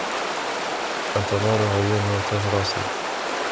انت نور عيوني... وتاج راسي.